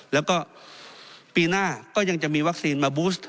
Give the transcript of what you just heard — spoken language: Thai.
แล้วก็ปีหน้าก็ยังจะมีวัคซีนมาบูส